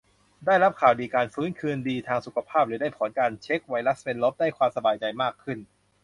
ได้รับข่าวดีการฟื้นคืนดีทางสุขภาพ หรือได้ผลการเช็กไวรัสเป็นลบ ได้ความสบายใจมากขึ้น